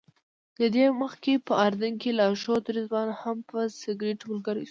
له دې مخکې په اردن کې لارښود رضوان هم په سګرټو ملګری شو.